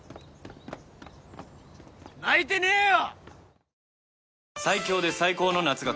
泣いてねえよ！